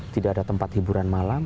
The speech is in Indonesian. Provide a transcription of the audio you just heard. tidak ada tempat hiburan malam